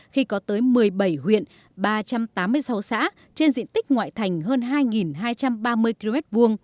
khi có tới một mươi bảy huyện ba trăm tám mươi sáu xã trên diện tích ngoại thành hơn hai hai trăm ba mươi km hai